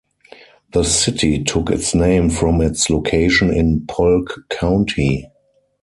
The city took its name from its location in Polk County.